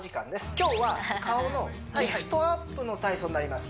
今日は顔のリフトアップの体操になります